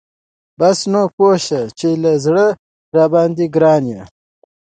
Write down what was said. بس نو پوه شه چې له زړه راباندی ګران یي .